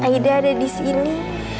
aida ada di sini